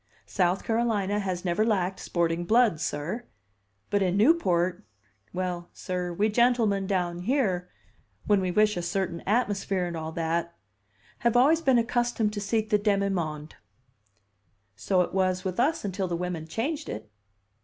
South Carolina has never lacked sporting blood, sir. But in Newport well, sir, we gentlemen down here, when we wish a certain atmosphere and all that, have always been accustomed to seek the demi monde." "So it was with us until the women changed it."